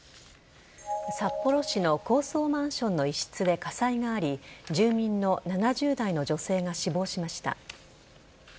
札幌市の高層マンションの一室で火災があり住民の７０代の女性が死亡しました。